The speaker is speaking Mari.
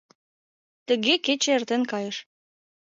Тыге кече эртен кайыш.